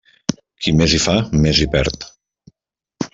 Qui més hi fa més hi perd.